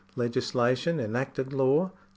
Legislation — enacted law.